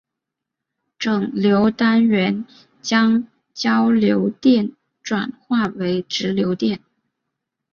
整流单元将交流电转化为直流电。